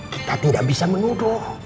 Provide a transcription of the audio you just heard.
kita tidak bisa menuduh